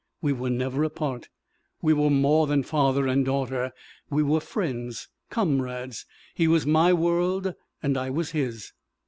We were never apart. We were more than father and daughter; we were friends, comrades he was my world, and I was his.